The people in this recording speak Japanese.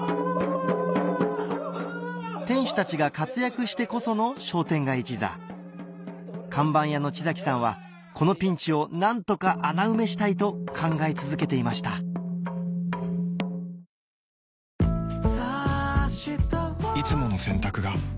店主たちが活躍してこその商店街一座看板屋の地さんはこのピンチを何とか穴埋めしたいと考え続けていましたいつもの洗濯が